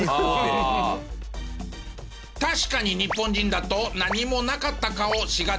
確かに日本人だと何もなかった顔しがちですよね。